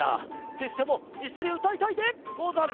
せっしゃもいっしょにうたいたいでござる。